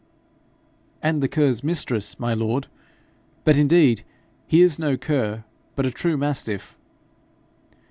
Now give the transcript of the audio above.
'And the cur's mistress, my lord. But, indeed, he is no cur, but a true mastiff.'